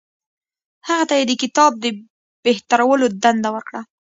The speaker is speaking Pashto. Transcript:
هغه ته یې د کتاب د بهترولو دنده ورکړه.